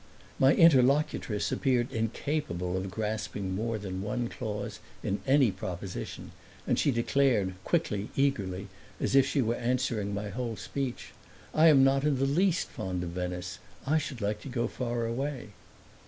My interlocutress appeared incapable of grasping more than one clause in any proposition, and she declared quickly, eagerly, as if she were answering my whole speech: "I am not in the least fond of Venice. I should like to go far away!"